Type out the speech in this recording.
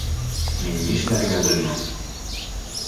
Мин нишләргә белмәнем.